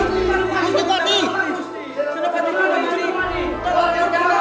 yang menjaga keamanan dan keamanan